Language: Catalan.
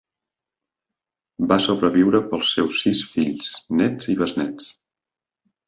Va sobreviure pels seus sis fills, nets i besnets.